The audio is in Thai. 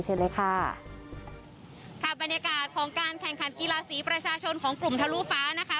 เชิญเลยค่ะค่ะบรรยากาศของการแข่งขันกีฬาสีประชาชนของกลุ่มทะลุฟ้านะคะ